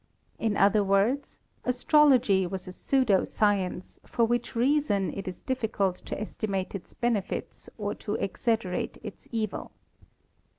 In other words, astrology was a pseudo science, for which reason it is difficult to estimate its benefits or to exaggerate its evils.